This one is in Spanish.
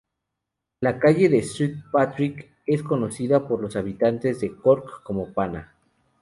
La Calle de St Patrick es conocida por los habitantes de Cork como "Pana".